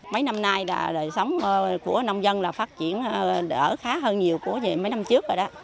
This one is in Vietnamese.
mấy năm nay đời sống của nông dân phát triển đỡ khá hơn nhiều của mấy năm trước rồi